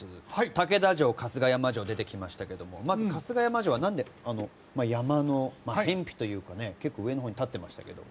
竹田城、春日山城と出てきましたけどまず、春日山城は何で、山の辺鄙というかね結構上のほうに立ってましたけど。